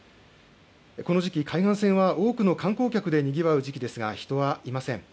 この時期、海岸線は多くの観光客でにぎわう時期ですが人はいません。